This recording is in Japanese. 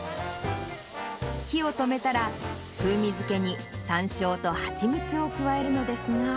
火を止めたら、風味づけにさんしょうと蜂蜜を加えるのですが。